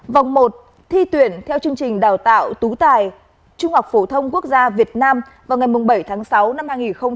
vòng một thi tuyển theo chương trình đào tạo tú tài trung học phổ thông quốc gia việt nam vào ngày bảy tháng sáu năm hai nghìn hai mươi